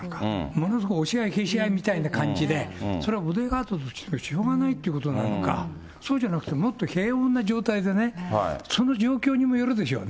ものすごく押し合いへし合いみたいな感じで、それをボディーガードとしてはしょうがないということなのか、そうじゃなくて、もっと平穏な状態でね、その状況にもよるでしょうね。